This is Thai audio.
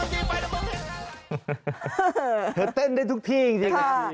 เธอเต้นได้ทุกที่จริงนะ